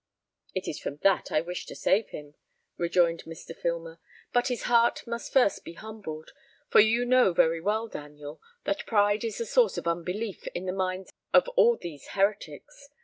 "It is from that I wish to save him," rejoined Mr. Filmer; "but his heart must first be humbled, for you know very well, Daniel, that pride is the source of unbelief in the minds of all these heretics.